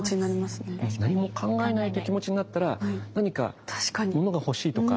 何も考えないという気持ちになったら何か物が欲しいとか。